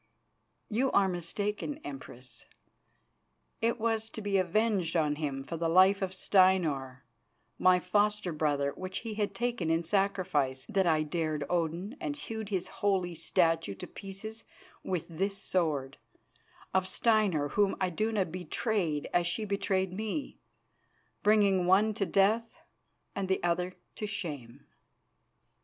"You are mistaken, Empress. It was to be avenged on him for the life of Steinar, my foster brother, which he had taken in sacrifice, that I dared Odin and hewed his holy statue to pieces with this sword; of Steinar, whom Iduna betrayed as she betrayed me, bringing one to death and the other to shame."